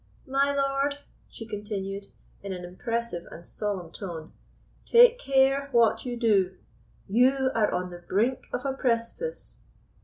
"My lord," she continued, in an impressive and solemn tone, "take care what you do; you are on the brink of a precipice."